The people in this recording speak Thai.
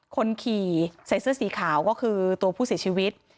คนขี่ใส่เสื้อสีขาวก็คือตัวผู้เสียชีวิต